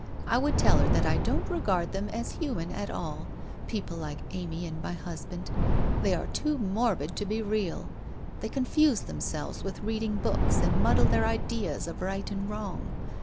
I would tell her that I don't regard them as human at all — people like Amy and my husband. They are too morbid to be real. They confuse themselves with reading books and muddle their ideas of right and wrong.